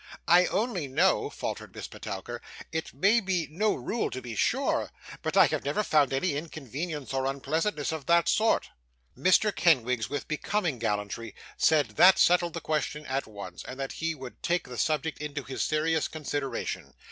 'I only know ' faltered Miss Petowker, 'it may be no rule to be sure but I have never found any inconvenience or unpleasantness of that sort.' Mr. Kenwigs, with becoming gallantry, said that settled the question at once, and that he would take the subject into his serious consideration.